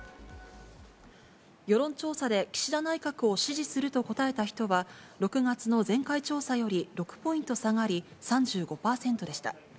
世論調査で岸田内閣を支持すると答えた人は、６月の前回調査より６ポイント下がり、３５％でした。